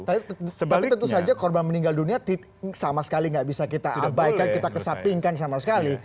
tapi tentu saja korban meninggal dunia sama sekali nggak bisa kita abaikan kita kesapingkan sama sekali